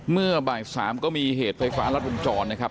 เมื่อบ่ายสามก็มีเหตุไฟฟ้ารัดวงจรนะครับ